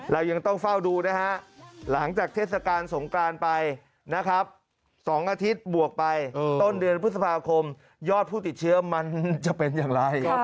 เรายังต้องเฝ้าดูหลังจากเทศกาล